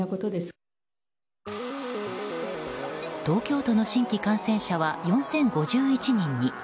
東京都の新規感染者は４０５１人に。